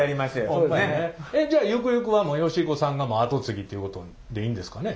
じゃあゆくゆくは慶彦さんが後継ぎっていうことでいいんですかね？